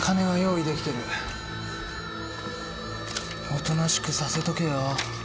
おとなしくさせとけよ？